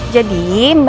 jadi mba andien itu